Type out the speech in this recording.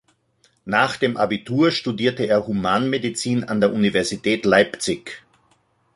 Nach dem Abitur studierte er Humanmedizin an der Universität Leipzig.